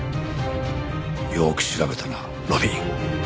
よく調べたな路敏。